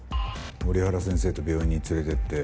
折原先生と病院に連れていって。